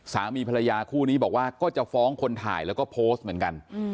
สามีภรรยาคู่นี้บอกว่าก็จะฟ้องคนถ่ายแล้วก็โพสต์เหมือนกัน